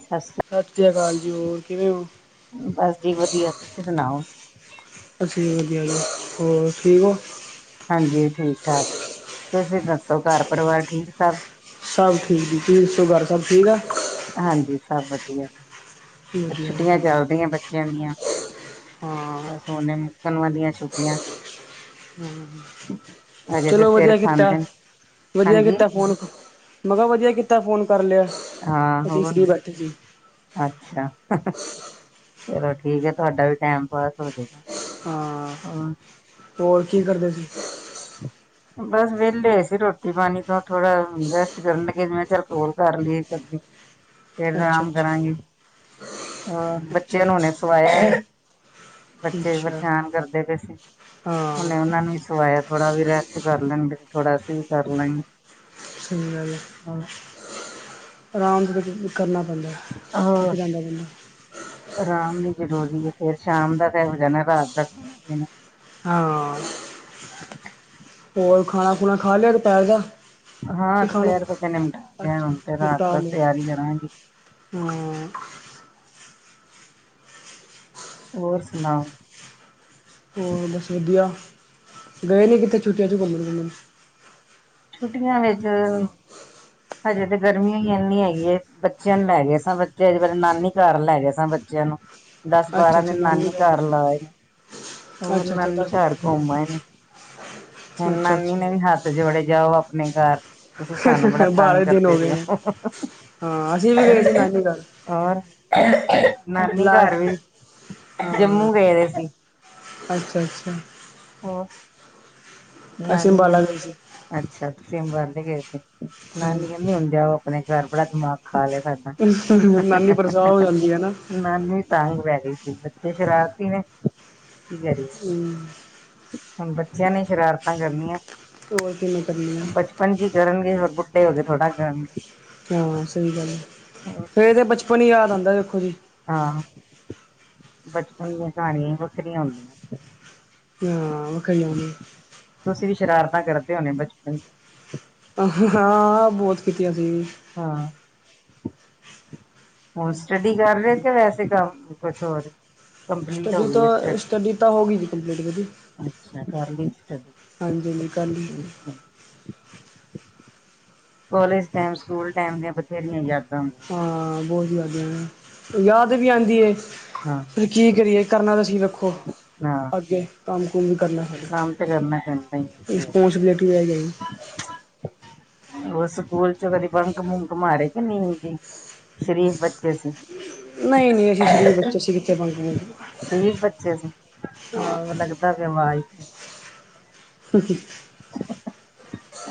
ਸਤਿ ਸ਼੍ਰੀ ਸਤਿ ਸ੍ਰੀ ਅਕਾਲ ਜੀ ਹੋਰ ਕਿਵੇਂ ਓ? ਬਸ ਜੀ ਵਧੀਆ ਤੁਸੀਂ ਸੁਣਾਓ ਅਸੀ ਵੀ ਵਧੀਆ ਜ ਹੋਰ ਠੀਕ ਹੋ। ਹਾਂਜੀ ਠੀਕ ਤੁਸੀਂ ਦੱਸੋ ਘਰ ਪਰਿਵਾਰ ਠੀਕ ਸਭ- ਸਭ ਠੀਕ ਜੀ ਤੁੀਂ ਦੱਸੋ ਘਰ ਸਭ ਠੀਕ ਅ? ਹਾਂਜੀ ਸਭ ਵਧੀਆ ਵਧੀਆ । ਜੀ ਛੁੱਟੀਆਂ ਵਧੀਆ ਚੱਲਦੀਆਂ ਬੱਚਿਆਂ ਦੀਆਂ ਹਾਂ ਬਸ ਉਹਨ ਨੂੰ ਕਣ ਦੀਆਂ ਛੁੱਟੀਆਂ ਹੂੰ। ਹਜੇ ਤੇ ਚਲੋ ਸਿਰ ਵਧੀਆ ਕੀਤਾ, ਖਾਂਦੇ ਨੇ ਵਧੀਆ ਹਾਂਜੀ ਕੀਤਾ ਫੋਨ ਮੈਂ ਕਿਹਾ ਵਧੀਆ ਕੀਤਾ। ਫੋਨ ਕਰ ਲਿਆ ਹਾਂ ਅਸੀਂ ਹੋਰ ਫ੍ਰੀ ਬੈਠੇ ਸੀ ਅੱਛਾ। ਚਲੋ ਠੀਕ ਹੈ ਤੁਹਾਡਾ ਵੀ ਟੈਮ ਪਾਸ ਹੋਜੇਗਾ। ਹਾਂ ਹੋਰ ਕੀ ਕਰਦੇ ਸੀ? ਬਸ ਵਿਹਲੇ ਸੀ ਰੋਟੀ ਪਾਨੀ ਤੋਂ ਥੋੜਾ ਰੈਸਟ ਕਰਨ ਲੱਗੇ ਜਿਵੇਂ ਚੱਲ ਕੌਲ ਕਰ ਲਈਏ। ਫਰ ਅੱਛਾ ਆਰਾਮ ਅੱਛਾ ਕਰਾਂਗੀ ਅ ਅੱਛਾ ਬੱਚਿਆਂ ਨੂੰ ਹੁਣੇੇ ਸਵਾਇਆ। ਬੱਚੇ ਅੱਛਾ ਪਰੇਸ਼ਾਨ ਕਰਦੇ ਪਏ ਸੀ। ਹਾਂ ਉਹਨੇ ਉਹਨਾ ਨੂੰ ਵੀ ਸਵਾਇਆ ਥੋੜਾ ਵੀ ਰੈਸਟ ਕਰ ਲੈਣਗੇ ਥੋੜਾ ਅਸੀਂ ਵੀ ਕਰ ਲਾਂਗੇ। ਆਰਾਮ ਦੇ ਵਿੱਚ ਕਰਨਾ ਪੈਂਦਾ ਥੱਕ ਜਾਂਦਾ ਬੰਦਾ ਹੋਰ ਰਾਮਨੀ ਜ਼ਰੂਰੀ ਹੈ ਫੇਰ ਸ਼ਾਮ ਦਾ ਇਹੋ ਜਾਣਾ ਰਾਤ ਦਾ ਖਾਣਾ ਪੀਣਾ ਹਾਂਅ। ਹੋਰ ਖਾਣਾ-ਖੁਣਾ ਖਾ ਲਿਆ ਦੁਪੇਰ ਦਾ? ਹਾਂ ਕੀ ਖਾਣਾ ਦੁਪਹਿਰ ਤੋਂ ਨਿਪਟਾ ਲਿਆ ਅੱਛਾ ਹੁਣ ਤੇ ਰਾਤ ਦਾ ਤਿਆਰੀ ਕਰਾਂਗੀ। ਹਾ ਹੋਰ ਸੁਣਾਓ? ਹੋਰ ਬਸ ਵਧੀਆ ਗਏ ਨੀ ਕਿਥੇ ਛੁੱਟੀਆਂ ਚ ਘੁੰਮਣ, ਘੁੰਮਣ? ਛੁੱਟੀਆਂ ਵਿੱਚ ਹਜੇ ਤੇ ਗਰਮੀ ਹੋਈ ਇਨੀ ਹੈਗੀ ਏ ਬੱਚਿਆਂ ਨੂੰ ਲੈ ਗਏ ਸ ਬੱਚੇ ਅਜੇ ਵੇਲੇ ਨਾਨੀ ਘਰ ਲੈ ਗਏ ਸ ਬੱਚਿਆਂ ਨੂੰ ਦਸ ਅੱਛਾ ਬਾਰਾਂ ਅੱਛਾ ਦਿਨ ਨਾਨੀ ਲੈ ਘਰ ਗਏ ਲਾਏ ਨੇ। ਹੋਰ ਅੱਛਾ ਅੱਛਾ ਨਾਨੀ ਦਸ ਬਾਰਾਂ ਘਰ ਦਿਨ ਘੁੰਮ ਆਏ ਨੇ। ਹੁਣ ਅੱਛਾ ਅੱਛਾ ਨਾਨੀ ਨੇ ਵੀ ਹੱਥ ਜੋੜੇ ਜਾ ਜਾਓ ਆਪਣੇ ਘਰ ਤੁਸੀਂ ਸਾਨੂੰ ਬੜਾ ਤੰਗ ਬਾਰਾਂ ਦਿਨ ਹੋ ਕਰਦੇ ਗਏ ਪਏ ਨੇ ਓ। ਹਾਂ ਅਸੀਂ ਵੀ ਗਏ ਸੀ ਨਾਨੀ ਘਰ ਨਾਨੀ ਲਾ ਘਰ ਕੇ। ਵੀ ਹਾਂ ਜੰਮੂ ਗਏ ਵੇ ਸੀ। ਅੱਛਾ, ਅੱਛਾ ਹਾਂ ਅਸੀਂ ਨਾਨੀ ਅੰਬਾਲਾ ਕਹਿੰਦੀ ਗਏ ਸੀ ਅੱਛਾ ਤੁਸੀ ਅਬੇ ਗਏ ਸੀ ਨਾਨੀ ਕਹਿੰਦੀ ਹੁਣ ਜਾਓ। ਆਪਣੇ ਘਰ ਬੜਾ ਦਿਮਾਗ ਕਾਲਦਾ ਹਾਂਜੀ ਨਾਨੀ ਪਰੇਸ਼ਾਨ ਹੋ ਜਾਂਦੀ ਹੈ ਨਾ ਨਾਨ ਵੀ ਤਗ ਮੈ ਗ ਸੀ ਬੱਚੇ ਸ਼ਰਾਾਰਤੀ ਨੇ। ਕੀ ਕਰੀਏ ਹੂੰ। ਹੁਣ ਬੱਚਿਆਂ ਨੇ ਸ਼ਰਾਰਤਾਂ ਕਰਨੀਆਂ ਹੋਰ ਕਿਵੇਂ ਕਰਨੀ ਆ ਬਚਪਨ ਚ ਹੀ ਕਰਨਗੇ ਹੋ ਗਏ ਥੋੜਾ ਗਰਮ ਹਾਂ ਸਹੀ ਗੱਲ ਹੈ ਫੇਰ ਤੇ ਬਚਪਨ ਹੀ ਯਾਦ ਆਉਂਦਾ ਦੇਖੋ ਜੀ ਹਾਂ। ਬਚਪਨ ਦੀਆਂ ਕਹਾਣੀਆਂ ਹੀ ਵੱਖਰੀਆਂ ਹੁੰਦੀਆਂ। ਹਾਂ ਉਹ ਖਈ ਆਦੀ ਅਸੀਂ ਵੀ ਸ਼ਰਾਰਤਾਂ ਕਰਦੇ ਹਦੇ ਬਚਪਨ ਚ। ਹਾਂ ਬਹੁਤ ਕੀਤੀਆਂ ਸੀ। ਉਹ ਸਟੱਡੀ ਕਰ ਰਹੇ ਤੇ ਵੈਸੇ ਕੰਮ ਕੁਛ ਹੋਰ ਕੰਪਲੀਟ ਹੋ ਸਟੱਡੀ ਗਈ ਹੈ ਤੋਂ ਸਟੱਡੀ ਤਾਂ ਹੋ ਗਈ ਜੀ ਕੰਪਲੀਟ ਮੇਰੀ। ਅੱਛਾ ਕਰ ਲਈ ਸਟੱਡੀ ਹਾਂਜੀ, ਹਾਂਜੀ ਕੱਲ [unintelligible] ਕੋਲਜ ਟਾਈਮ ਸਕੂਲ ਟਾਈਮ ਦੀਆਂ ਬਥੇਰੀਆਂ ਯਾਦਾਂ ਹੁੰਦੀਆਂ ਹਾਂ ਬਹੁਤ ਜ਼ਿਆਦ ਯਾਦ ਵੀ ਆਦੀ ਏ। ਹਾਂ ਫਿਰ ਕੀ ਕਰੀਏ ਕਰਨਾ ਤਾਂਸੀਂ ਰੱਖੋ ਹਾਂ ਅੱਗੇ ਕੰਮ- ਕੁਮ ਕਰਨਾ ਕੰਮ ਤੇ ਕਰਨਾ ਪੈਂਦਾ ਹੀ ਰਿਸਪੋਂਸਿਬਿਲਿਟੀ ਹੈ ਜਾਹੀ ਉਹ ਸਕੂਲ ਚ ਕਦੀ ਬੰੰਕ, ਬੰਂਕ ਮਾਰੇ ਕਿ ਨੀ ਜ ਸ਼ਰੀਫ ਬੱਚੇ ਸੀ? ਨਹੀਂ ਨਹੀਂ ਅਸੀਂ ਸ਼ਰੀਫ ਬੱਚੇ ਸੀ ਕਿੱਥੇ ਕੰਮ ਕੁਮ [unintelligible] ਬੱਚੇ ਸੀ ਹਾਂ ਹਹ ਲੱਗਦਾ ਪਿਆ ਮਾਈਕ ਤੇ ਹ ਹ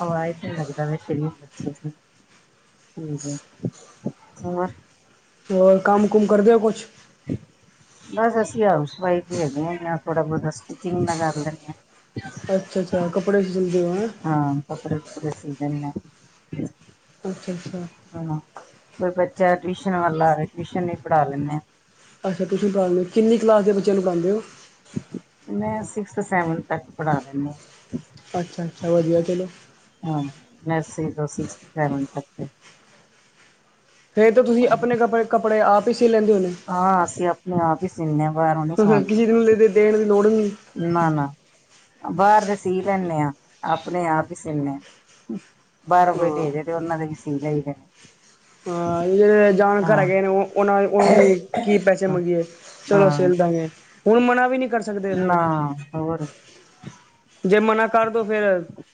ਓ ਆਇ ਲੱਗਦਾ ਵੇ ਸ਼ਰੀਫ ਬੱਚੇ ਸੀ। ਠੀਕ ਐ ਹੋਰ ਹੋਰ ਕੰਮ ਕੁਮ ਕਰਦੇ ਓ ਕੁਛ ਬਸ ਅਸੀਂ ਹਾਊਸ ਵਾਈਫ ਈ ਹੈਗੇ ਆ ਜਾ ਥੋੜਾ ਬਹੁਤਾ ਸਟਿਚਿੰਗ ਦਾ ਕਰ ਲੈਂਣੇ ਅੱਛਾ ਅੱਛਾ ਆ। ਕੱਪੜੇ ਸਿਲਦੇ ਹੋ ਹੈਂ ਹਾਂ, ਕੱਪੜੇ-ਕਪੜੇ ਸੀਜ਼ਨ ਨੇ ਅੱਛਾ-ਅੱਛਾ ਜਾ ਟਊਸ਼ਨ ਵੱਲਾ ਟਊਸ਼ਨ ਵੀ ਪੜਾ ਲੈਨੇ ਆ ਅੱਛਾ ਤੁਸੀਂ ਕਾਲ ਕਿੰਨੀ ਕਲਾਸ ਦੇ ਬੱਚਿਆਂ ਨੂੰ ਪੜਾਦੇ ਓ ਹਾਂ ਮੈਂ ਸਿਕਸਥ ਸੈਵਨਥ ਤੱਕ ਪੜ੍ਹਾ ਲੈਂਣੀ। ਅੱਛਾ-ਅੱਛਾ ਵਧੀਆ ਚਲੋ ਹਾਂ ਨਰਸਰੀ ਤੋਂ ਸਿਕਸ ਸੈਵਨ ਤੱਕ ਤੇ ਫੇਰ ਤਾਂ ਤੁਸੀਂ ਆਪਣੇ ਕੱਪੜੇ ਕੱਪੜੇ ਆਪ ਈ ਸੀ ਕੀ ਲੈਂਦੇ ਹੋਣੇ। ਹਾਂ ਅਸੀਂ ਆਪਣੇ ਆਪ ਹੀ ਸੀਨੇ ਹਾਂ ਬਾਹਰੋਂ ਕਿਸੇ ਨੂੰ ਦੇਣ ਦੀ ਲੋੜ ਨੀ ਨਾ-ਨਾ ਬਾਹਰ ਦੇ ਸੀ ਲੈਂਨੇ ਆ। ਆਪਣੇ ਆਪ ਈ ਸੀਣੇ ਆ ਬਾਰੋਂ ਕੋਈ ਹਾਂ ਦੇ ਜੇ ਤੇ ਉਹਨਾਂ ਦੇ ਵੀ ਸੀ ਲਈ ਦੇ। ਹਾਂ ਜਿਹੜੇ ਜਾਣਕਾਰ ਹੈਗੇ ਨੇ ਉਹ ਉਹਨਾਂ ਨੂੰ ਵੀ ਕੀ ਪੈਸੇ ਹਾਂ ਮੰਗੀਏ ਚਲੋ ਹਾਂ ਸਿਲ ਦਾਂਗੇ। ਹੁਣ ਮਨਾ ਵੀ ਨੀ ਕਰ ਸਕਦੇ ਅਖੌ ਨਾ ਹੋਰ ਜੇ ਮਨਾ ਕਰਦੋ ਫੇਰ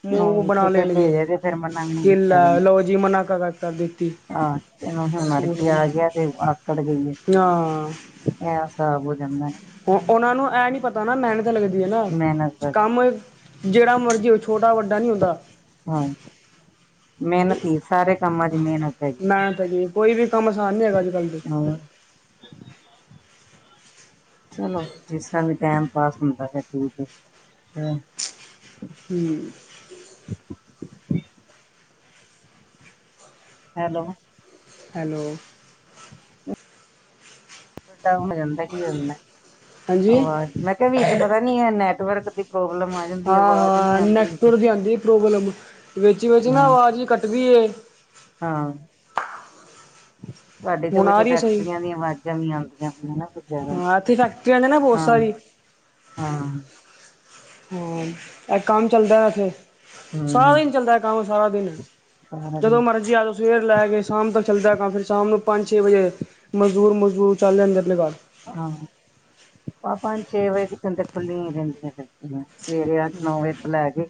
ਮੂੰਹ ਨੂੰ ਜੇ ਬਣਾ ਕੋਈ ਲੈਣਗੇ ਭੇਜੇ ਤੇ ਫਿਰ ਮਨਾ ਵੀ ਨਹੀਂ ਕਿ ਕੀਤਾ ਲੈ ਲਓ ਜਾਂਦਾ ਜੀ ਮਨਾ ਕਰਾ ਤਾ ਦਿਤੀ ਤੇ ਹੁਣ ਨਾਟਕੀ ਆ ਗਿਆ ਤੇ ਆਕੜ ਗਈ ਐ ਹਾਂ ਐਹ ਸਾਬ ਹੋ ਜਾਂਦਾ ਨਾ ਉਹਨਾਂ ਨੂੰ ਐ ਨੀ ਪਤਾ ਨਾ ਮੈਨ ਲੱਗਦੀ ਐ ਨਾ ਮਿਹਨਤ ਕੰਮ ਕਰਦੀ ਹੈ ਜਿਹੜਾ ਮਰਜ਼ੀ ਹੋ ਛੋਟਾ ਵੱਡਾ ਨਈ ਹੁੰਦਾ ਹਾਂ ਮੇਨਤ ਈ ਸਾਰੇ ਕੰਮਾਂ ਚ ਮੇਨਤ ਐ ਮਿਹਨਤ ਹੈਗੀ ਕੋਈ ਵੀ ਕੰਮ ਆਸਾਨ ਨਹੀਂ ਹੈਗਾ ਅੱਜ ਕੱਲ੍ਹ ਦੇ ਚਲੋ ਜਿਸ ਤਰ੍ਹਾਂ ਵੀ ਟੈਮ ਪਾਸ ਹੁੰਦਾ ਐ ਠੀਕ ਐ ਹਮ ਹੈਲੋ ਹੈਲੋ ਹੋ ਜਾਂਦਾ ਕੀ ਹੁੰਦਾ, ਹਾਂਜੀ ਆਵਾ ਮੈਂ ਕਿਹਾ ਵੀ ਨੈਟਵਰਕ ਨੀ ਹੈ ਨੈਟਵਰਕ ਪ੍ਰੋਬਲਮ ਆ ਜਾਂਦੀ ਹਾਂ-ਹਾਂ ਨੈੱਟਵਰ ਦੀ ਆਂਦੀ ਪ੍ਰੋਬਲਮ ਵਿੱਚ ਵਿੱਚ ਹਾਂ ਨਾ ਅਵਾਜ਼ ਕੱਟਦੀ ਐ। ਹਾਂ, ਤੁਹਾਡੇ ਤੇ ਹੁਣ ਕੁਛ ਆ ਰਹੀ ਹੈ ਸਹੀ ਫੈਕਟਰੀਆਂ ਦੀਆ ਆਵਾਜਾਂ ਵੀ ਆਂਦੀ [inaudible] ਹਾਂ, ਇਥੇ ਫੈਕਟਰੀਆ ਨੇ ਨਾ ਬੋਤ ਸਾਰੀ। ਹਾਂ, ਹਾਂ, ਇਹ ਕੰਮ ਚੱਲਦਾ ਇੱਥੇ ਸਾਰਾ ਹੂੰ। ਦਿਨ ਚੱਲਦਾ ਐਹ ਕੰਮ, ਸਾਰਾ ਦਿਨ। ਸਾਰਾ ਦਿਨ ਜਦੋਂ ਮਰਜ਼ੀ ਆ ਜਾਓ ਸਵੇਰ ਲੈ ਕੇ ਸ਼ਾਮ ਤਕ ਚੱਲਦਾ ਐ ਹਾ ਫਿਰ ਸ਼ਾਮ ਨੂੰ ਪੰਜ ਛੇ ਵਜੇ ਮਜ਼ਦੂਰ ਮਜ਼ਦੂਰ ਚਲ ਲੈਂਦੇ ਅਪਣੇ ਘਰ ਹਾਂ ਪੰਜ ਛੇ ਵਜੇ ਤੀਕਣ ਤੇ ਖੁੱਲੀਆਂ ਰਹਿੰਦੀਆਂ ਫੈਕਟਰੀਆਂ ਸਵੇਰੇ ਅੱਠ ਨੌ ਵਜੇ ਤੋਂ ਲੈ ਕੇ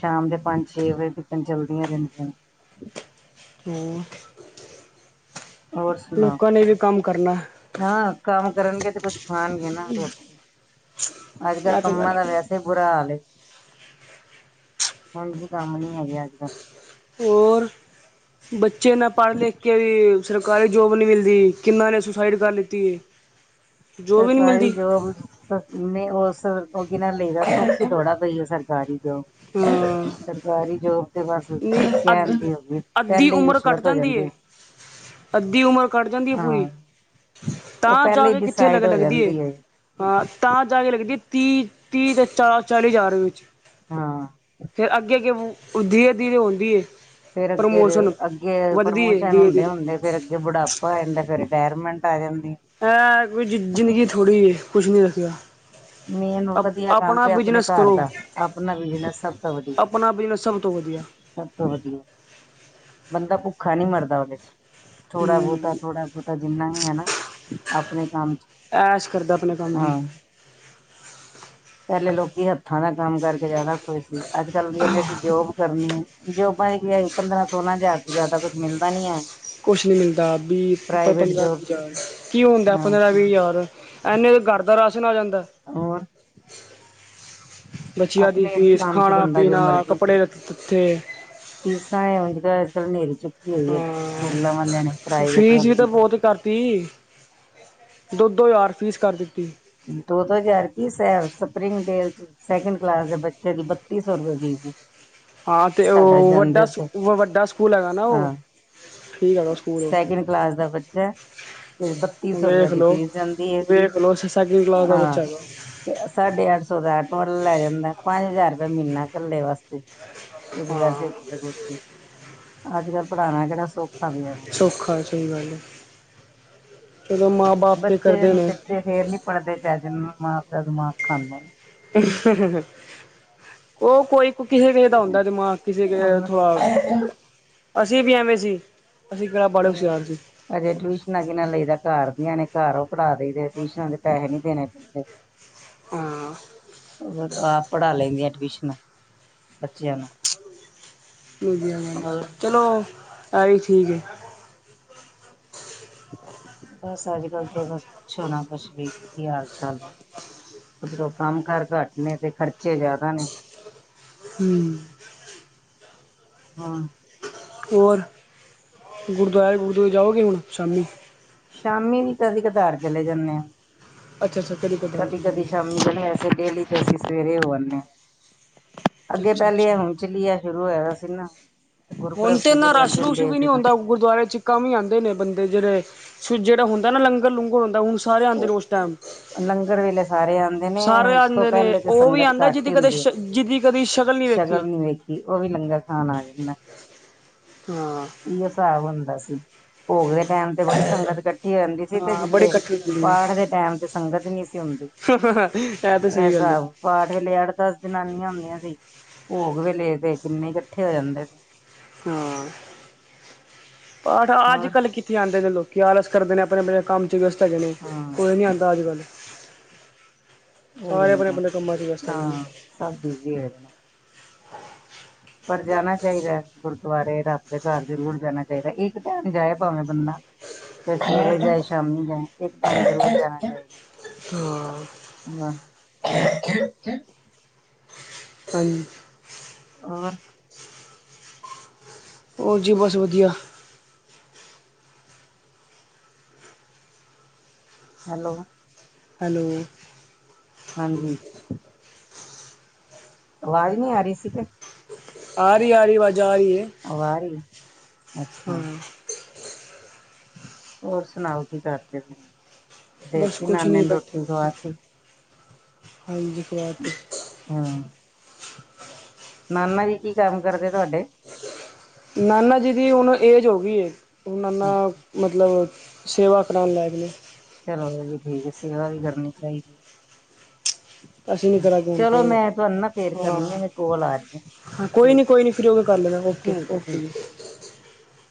ਸ਼ਾਮ ਦੇ ਪੰਜ ਛੇ ਵਜੇ ਤੀਕਣ ਚਲਦੀਆਂ ਰਹਿੰਦੀਆਂ। ਹੋਰ ਹੋਰ ਸੁਣਾਓ? ਲੋਕਾਂ ਨੇ ਵੀ ਕੰਮ ਕਰ ਹਾਂ, ਕੰਮ ਕਰਨਗੇ ਤੇ ਕੁਛ ਖਾਣਗੇ ਨਾ ਰੋ ਅੱਜ ਕੱਲ੍ਹ ਇਹ ਤੇ ਗੱਲ ਕੰਮਾਂ ਦਾ ਹੈਗੀ ਵੈਸੇ ਬੁਰਾ ਹਾਲ ਐ। ਹਾਂਜੀ, ਕੰਮ ਨੀ ਹੈਗੇ ਅੱਜ ਕੱਲ ਔਰ ਬੱਚੇ ਨਾ ਪੜ੍ਹ ਲਿਖ ਕੇ ਵੀ ਸਰਕਾਰੀ ਜੋਬ ਨੀ ਮਿਲਦੀ ਕਿਨਾਂ ਨੇ ਸੁਸਾਈਡ ਕਰ ਲਿੱਤੀ ਹੈ ਜੋਬ ਹੀ ਨਹੀਂ ਸਰਕਾਰੀ ਮਿਲਦੀ ਜੋੌਬ ਨੇ ਸਰ ਉਹ ਕਿ ਨਾਲ ਲਦਾ ਥੋੜਾ ਦਈਓ ਸਰਕਾਰੀ ਜੋ ਹਾਂ ਸਰਕਾਰੀ ਜੋ ਤੇ ਬਸ ਨੀ ਕਹਿ ਅੱਧ ਦੀ ਹੋ ਅੱਧੀ ਪਹਿਲੇ ਉਮਰ ਕੱਟ ਰਿਸ਼ਵਤ ਹੋ ਏ ਜਾਂਦੀ ਅੱਧੀ ਉਮਰ ਘਟ ਜਾਂਦੀ ਹੈ ਪੂਰੀ ਹਾਂ। ਉਹ ਤਾਂ ਜਾ ਪਹਿਲੇ ਹੀ ਕੇ ਕਿੱਥੇ ਲਗ ਡਿਸਾਈਡ ਹੋ ਲੱਗਦੀ ਜਾਂਦੀ ਹੈ ਹਾਂ ਤਾਂ ਜਾ ਕੇ ਲੱਗਦੀ ਅੱਗੇ ਹਾਂ ਅੱਗੇ ਤੇ ਆਉਦੀ ਏ ਫੇਰ ਅੱਗੇ ਪ੍ਰਮੋਸ਼ਨ ਅੱਗੇ ਵੱਧਦੀ ਏ ਪ੍ਰਮੋਸ਼ਨ ਧੀਰੇ ਹੁੰਦੇ ਧੀਰੇ ਹੁੰਦੇ ਫੇਰ ਅੱਗੇ ਬੁਢਾਪਾ ਜਾਂਦਾ ਫਿਰ ਵੈਰਮਟ ਹੈ ਕੋਈ ਜ਼ਿੰਦਗੀ ਥੋੜੀ ਹੈ ਕੁਛ ਨੀ ਰੱਖਿਆ ਮੇਨੂੰ ਵਧੀਆ ਕੰਮ ਆਪਣਾ ਤੇ ਆਪਣੇ ਬਿਜਨਸ ਘਰ ਕਰੋ ਦਾ ਆਪਣਾ ਬਿਜਨਸ ਸਭ ਤੋਂ ਵਧੀਆ ਆਪਣਾ ਬਿਜਨਸ ਸਭ ਤੋਂ ਵਧੀਆ ਸਭ ਤੋਂ ਵਧੀਆ ਬੰਦਾ ਭੁੱਖਾ ਔਖਾ ਨੀ ਮਰਦਾ ਉਹਦੇ ਚ ਥੋੜਾ ਬਹੁਤਾ ਹੂੰ ਥੋੜਾ ਬਹੁਤਾ ਜਿੰਨਾ ਵੀ ਹੈ ਨਾ ਆਪਣੇ ਕੰਮ ਚ ਐਸ਼ ਕਰਦਾ ਆਪਣੇ ਕੰਮ ਦੀ ਹਾਂ ਪਹਿਲੇ ਲੋਕੀ ਹੱਥਾਂ ਦਾ ਕੰਮ ਕਰਕੇ ਜ਼ਿਆਦਾ ਖੁਸ਼ ਸੀ ਅੱਜ ਕੱਲ ਕਹਿੰਦੇ ਅਸੀਂ ਜੋਬ ਕਰਨੀ ਹੈ ਜੋਬਾਂ ਦੀ ਵੀ ਆ ਪੰਦਰਾਂ ਸੋਲਾਂ ਹਜ਼ਾਰ ਤੋਂ ਜ਼ਿਆਦਾ ਕੁੱਛ ਮਿਲਦਾ ਨੀ ਹੈ ਕੁਛ ਨੀ ਮਿਲਦਾ ਵੀਹ ਪ੍ਰਾਈਵੇਟ ਪੰਦਰਾਂ ਵੀਹ ਜੋਬ ਚ ਹਜ਼ਾਰ ਕੀ ਹੁੰਦਾ ਹਾਂ ਪੰਦਰਾਂ ਵੀਹ ਹਜ਼ਾਰ ਐਨੇ ਦੇ ਗਰ ਦਾ ਰਾਸ਼ਨ ਆ ਜਾਂਦਾ ਹੋਰ ਬੱਚਿਆਂ ਦੀ ਆਪਣੇ ਫੀਸ ਕੰਮ ਚ ਖਾਣਾ ਬੰਦਾ ਪੀਣਾ ਕੱਪੜੇ ਉਥੇ ਫੀਸਾ ਹਝ ਕ ਹਨੇਰੀ ਚੁੱਕੀ ਹੋਈ ਐ। ਹਾਂ ਸਕੂਲਾਂ ਵਾਲਿਆਂ ਨੇ ਪ੍ਰਾਈਵੇਟ ਵਾਲਿਆਂ ਨੇ ਤੀਹ ਦੋ ਦੋ ਹਜ਼ਾਰ ਫੀਸ ਕਰ ਦਿੱਤੀ ਦੋ ਦੋ ਹਜ਼ਾਰ ਕੀ ਸ ਸਪਰਿੰਗ ਡੇਲ ਸੈਕਿੰਡ ਕਲਾਸ ਦੇ ਬੱਚੇ ਦੀ ਬੱਤੀ ਸੌ ਰੁਪਏ ਫੀਸ ਸੀ ਹਾਂ ਤੇ ਉਹ ਵੱਡਾ ਵੱਡਾ ਸਕੂਲ ਹੈਗਾ ਨਾ ਉਹ ਹਾਂ ਠੀਕ ਹੈਗਾ ਸਕੂਲ ਉਹ ਸੈਕਿੰਡ ਕਲਾਸ ਦਾ ਬੱਚਾ ਤੇ ਬੱਤੀ ਸੌ ਰੁਪਏ ਵੇਖ ਦੀ ਲਓ ਫੀਸ ਜਾਂਦੀ ਹੈ ਵੇਖ ਲਓ ਸੈਕਿੰਡ ਕਲਾਸ ਦਾ ਹਾਂ ਬੱਚਾ ਤੇ ਸਾਢੇ ਅੱਠ ਸੌ ਦਾ ਟੋਟਲ ਲੈ ਜਾਂਦਾ ਪੰਜ ਹਜ਼ਾਰ ਰੁਪਆ ਮਹੀਨਾ ਘੇ ਵਾਸਤੇ ਕੁ ਵੈਸੇ ਹਾਂ ਅੱਜ ਕੱਲ ਪੜ੍ਹਾਉਣਾ ਕਿਹੜਾ ਸੌਖਾ ਪਿਆ ਸੌਖਾ ਸਈ ਗੱਲ ਚਲੋ ਮਾਂ ਬਾਪ ਤੇ ਬੱਚੇ ਕਰਦੇ ਨੇ ਨੂੰੱਚੇ ਫੇਰ ਨੀ ਪੜ੍ਹਦੇ ਚ ਜਿ ਮਾਂ ਪਿਓ ਦਾ ਦਿਮਾਗ ਖਾਂਦੇ ਨੇ ਉਹ ਕੋਈ ਕਿਸੇ ਕਿਸੇ ਦਾ ਹੁੰਦਾ ਦਿਮਾਗ ਹੋਰ ਕਿਸੇਥ ਅਸੀਂ ਵੀ ਐਵੇਂ ਸੀ ਅਸੀਂ ਕਿਹੜਾ ਬਾਲੇ ਹਮ ਹੁਸ਼ਿਆਰ ਸੀ। ਅਜੇ ਟਿਊਸ਼ਨਾਂ ਕਿਨਾਂ ਲਈਦਾ ਘਰ ਦੀਆਂ ਨੇ ਘਰ ਪੜ੍ਹਾ ਦੇਦੇ ਟਿਊਸ਼ਨਾਂ ਦੇ ਪੈਸੇ ਨੀ ਦੇਣੇ ਪੈਂਦੇ ਹਾਂ ਪੜਾ ਲੈਂਦੀਆਂ ਬੱਚਿਆਂ ਨੂੰ ਧਆ ਹੋਰ ਚਲੋ ਐ ਵੀ ਠੀਕ ਹੈ ਬਸ ਅੱਜ ਕੱਲ ਤੇ ਬਸ ਪੁੱਛੋ ਨਾ ਕੁਛ ਵੀ ਕੀ ਹਾਲ ਚਾਲ ਉਧਰੋਂ ਕੰਮ ਕਾਰ ਘੱਟ ਨੇ ਤੇ ਖਰਚੇ ਜ਼ਿਆਦਾ ਨੇ ਹਮ ਹਾਂ ਰ ਗੁਰਦੁਆਰੇ ਗੁਰਦੁਆਰੇ ਜਾਓਗੇ ਹੁਣ ਸ਼ਾਮੀ ਸ਼ਾਮੀ ਵੀ ਤਾਂ ਅਸੀਂ ਕਧਾਰ ਚਲੇ ਜਾਂਦੇ ਹਾਂ ਅੱਛਾ-ਅੱਛਾ ਕਦੇ ਕਦਾਰ ਕਦੀ ਕਦੀ ਸ਼ਾਮੀ ਚੱਲ ਵੈਸੇ ਡੇਲੀ ਤੇ ਅਸੀਂ ਸਵੇਰੇ ਹੋ ਆਦੇ ਹਾਂ ਅੱਗੇ ਪਹਿਲੇ ਅੱਛਾ-ਅੱਛਾ ਹੁਣ ਚਲੀਆ ਸ਼ੁਰੂ ਹੋਇਆ ਸੀ ਨਾ ਹੁਣ ਗੁਰਪੁਰਬ ਤੇ ਸੀ ਇਨਾ ਗੁਰੂ ਰਸ਼ ਅਰਜਨ ਰੁਸ਼ ਦੇਵ ਵੀ ਨੀ ਜੀ ਦਾ ਹੁੰਦਾ ਗੁਰਦੁਆਰੇ ਚਕਾਂ ਵੀ ਆਉਂਦੇ ਨੇ ਬੰਦੇ ਜਿਹੜੇ ਜਿਹੜਾ ਹੁੰਦਾ ਨਾ ਲੰਗਰ ਲੂੰਗਰ ਹੁੰਦਾ ਹੁਣ ਸਾਰੇ ਆਉਂਦੇ ਨੇ ਉਸ ਟਾਈਮ ਲੰਗਰ ਵੇਲੇ ਸਾਰੇ ਆਉਂਦੇ ਨੇ ਸਾਰੇ ਉਸ ਤੋਂ ਆਂਦੇ ਨੇ ਪਹਿਲੇ ਤੇ ਉਹ ਵੀ ਸੰਗਤ ਆਂਦਾ ਘੱਟ ਜਿਹਦੀ ਹੀ ਕਦੇ ਹੁੰਦੀ ਆ ਜਿਹਦੀ ਕਦੀ ਵੇਖੀ। ਸ਼ਕਲ ਨੀ ਵੇਖੀ ਉਹ ਵੀ ਲੰਗਰ ਖਾਣਾ ਆ ਜਾਂਦਾ ਹਾਂ-ਹਾਂ ਇਹੋ ਹਿਸਾਬ ਹੁੰਦਾ ਸੀ। ਭੋਗ ਦੇ ਟੈਮ ਤੇ ਬੜੀ ਸੰਗਤ ਇਕੱਠੀ ਹੋ ਜਾਂਦੀ ਸੀ ਤੇ ਬੜੇ ਜਿਥੇ ਇਕੱਠੇ ਹੁੰਦੇ ਨੇ। ਪਾਠ ਦੇ ਟੈਮ ਸੰਗਤ ਨਹੀਂ ਸੀ ਹੁੰਦੀ। ਇਹ ਤਾਂ ਸਹੀ ਇਹਸ ਗੱਲ ਏ ਪਾਠ ਵੇਲੇ ਅੱਠ ਦਸ ਜਨਾਨੀਆਂ ਹੁੰਦੀਆਂ ਸੀ। ਭੋਗ ਵੇਲੇ ਤੇ ਕਿੰਨੇ ਇਕੱਠੇ ਹੋ ਜਾਂਦੇ ਸੀ। ਹਾਂ ਪਾਠ ਅੱਜ ਹੋਰ ਕੱਲ੍ਹ ਕਿੱਥੇ ਆਉਂਦੇ ਨੇ ਲੋਕ ਕੀ ਹਾਲ ਅਲਸ ਕਰਦੇ ਨੇ ਆਪਣੇ ਕੰਮ 'ਚ ਵੀਅਸਤ ਹੈਗੇ ਨੇ ਹਾਂ ਕੋਈ ਨਹੀਂ ਆਂਦਾ ਅੱਜ ਕੱਲ ਉਹੀ ਨੀ ਕੰਮਾਂ 'ਚ ਵਿਅਸਤ ਹੈਗੇ ਨੇ ਹਾਂ ਸਭ ਬੀਜੀ ਹੋਏ ਨੇ। ਹ ਪਰ ਜਾਣਾ ਚਾਹੀਦਾ ਗੁਰਦੁਆਰੇ ਰਬ ਦੇ ਘਰ ਜ਼ਰੂਰ ਜਾਣਾ ਚਾਹੀਦਾ ਇੱਕ ਟਾਈਮ ਜਾਇ ਭਾਵੇਂ ਬੰਦਾ ਤੇ ਸਵੇਰੇ ਜਾਏ ਸ਼ਾਮੀ ਜਾਏ ਇਕ ਟਾਈਮ ਜਰੂਰ ਜਾਣਾ ਚਾਹੀਦਾ। ਹਾਂ [inaudible] ਹਾਂਜੀ। ਔਰ ਔਰ ਜੀ ਬਸ ਵਧੀਆ ਹੈਲੋ ਹੈਲੋ ਹਾਂਜੀ ਆਵਾਜ ਨਹੀ ਆ ਰਹੀ ਸੀ ਤੇ ਆ ਰਹੀ ਆ ਰਹੀ ਵਜਾ ਆ ਰਹੀ ਏ। ਉਹ ਆ ਰਹੀ ਹੈ? ਅੱਛਾ ਹੋਰ ਸੁਣਾਓ ਕੀ ਕਰਦੇ ਫ ਬਸ ਦੇਤੀ ਕੁਛ ਨਾਨੇ ਨਹੀਂ ਨੇ ਬੈਠੇ ਰੋਟੀ ਹੋਏ ਸੀ ਖਵਾਤੀ। ਹਾਂਜੀ [unintelligible] ਹਮ ਨਾਨਾ ਜੀ ਕੀ ਕੰਮ ਕਰਦੇ ਤੁਹਾਡੇ ਨਾਨਾ ਜੀ ਦੀ ਹੁਣ ਏਜ ਹੋ ਗਈ ਨਾਨਾ ਅੱਛਾ ਮਤਲਬ ਸੇਵਾ ਕਰਾਉਣ ਲੈ ਗਏ। ਚਲੋ ਇਹ ਵੀ ਠੀਕ ਆ ਸੇਵਾ ਵੀ ਕਰਨੀ ਚਾਹੀਦੀ ਅਸੀਂ ਨਹੀਂ ਏ। ਕਰਾਂਗੇ ਹੁਣ ਚਲੋ ਕੋਲ ਮੈਂ ਤੁਹਾਨੂੰ ਨਾ ਫੇਰ ਹਾਂ ਕਰਨੀ ਆ ਮੇ ਕੋਲ ਆ ਰਹੀ। ਹਾਂ ਕੋਈ ਠੀਕ ਨਹੀਂ ਕੋਈ ਨਹੀ ਫਰੀ ਹੋ ਕੇ ਕਰ ਲੈਣਾ ਓਕੇ- ਠੀਕ ਹੈ ਓਕੇ ਠੀਕ ਜੀ। [inaudible]